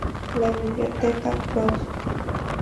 La biblioteca Prof.